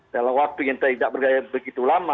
dalam waktu yang tidak berjaya begitu lama